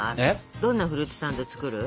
どんなフルーツサンド作る？